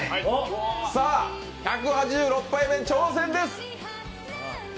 さぁ、１８６杯目に挑戦です。